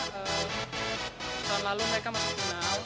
karena tahun lalu mereka masuk penual